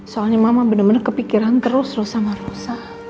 soalnya mama bener bener kepikiran terus rosa sama rosa